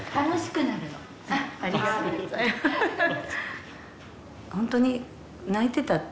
ありがとうございますハハハ。